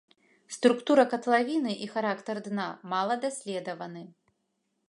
Структура катлавіны і характар дна мала даследаваны.